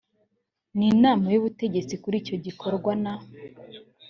n inama y ubutegetsi kuri icyo gikorwa na